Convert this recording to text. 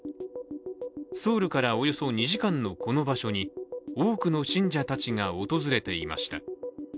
ソウルからおよそ２時間のこの場所に多くの信者たちが訪れていました。